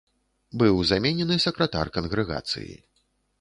Быў заменены сакратар кангрэгацыі.